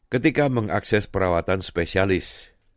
ketika mengakses perawatan spesialis